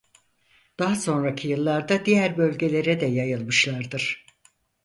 Daha sonraki yıllarda diğer bölgelere de yayılmışlardır.